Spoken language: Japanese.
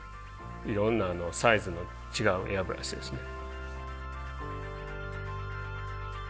いろんなサイズの違うエアブラシですね。